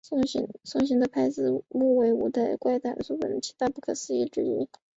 送行拍子木为舞台的怪谈本所七大不可思议之一。